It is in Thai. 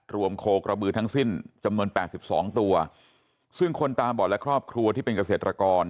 โคกระบือทั้งสิ้นจำนวนแปดสิบสองตัวซึ่งคนตาบอดและครอบครัวที่เป็นเกษตรกร